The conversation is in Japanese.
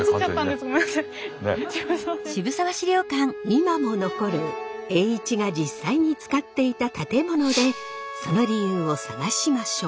今も残る栄一が実際に使っていた建物でその理由を探しましょう。